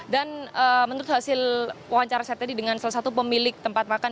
dan menurut hasil wawancara saya tadi dengan salah satu pemilik tempat makan